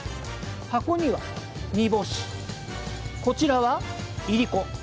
箱には、煮干しこちらは、いりこ。